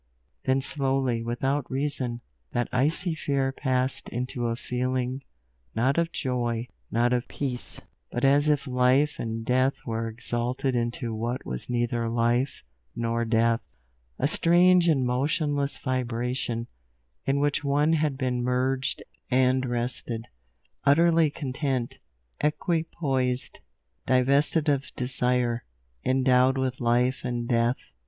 Then slowly, without reason, that icy fear passed into a feeling, not of joy, not of peace, but as if Life and Death were exalted into what was neither life nor death, a strange and motionless vibration, in which one had been merged, and rested, utterly content, equipoised, divested of desire, endowed with life and death.